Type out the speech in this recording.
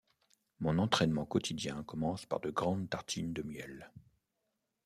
Mon entraînement quotidien commence par de grandes tartines de miel.